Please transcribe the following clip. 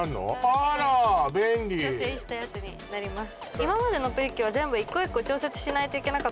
あら！便利調整したやつになります